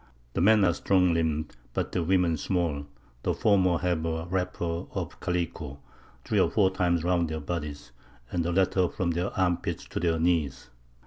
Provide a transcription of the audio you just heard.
The Men are strong limb'd, but the Women small; the former have a Wrapper of Callicoe, 3 or 4 times round their Bodies, and the latter from their Arm pits to their Knees.